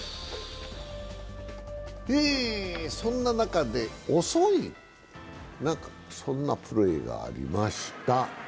そんな中で、「遅い？」そんなプレーがありました。